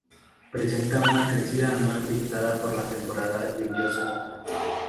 Presenta una crecida anual dictada por la temporada lluviosa.